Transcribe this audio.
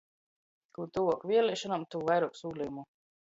Kū tyvuok vieliešonom, tū vairuok sūlejumu.